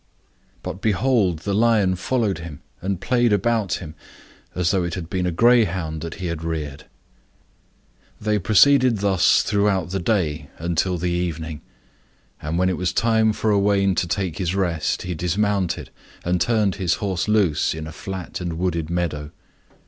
But behold the lion followed him, and played about him, as though it had been a greyhound that he had reared. They proceeded thus throughout the day, until the evening. And when it was time for Owain to take his rest he dismounted, and turned his horse loose in a flat and wooded meadow.